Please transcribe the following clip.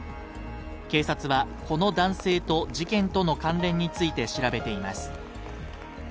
警察は、この男性と事件との関連について調べています。